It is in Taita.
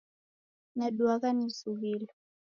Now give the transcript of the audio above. Naduagha nizughilo.